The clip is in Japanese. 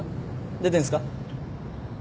出てんすか？